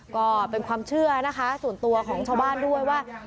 ก็เป็นความเชื่อนะคะส่วนตัวของชาวบ้านด้วยว่า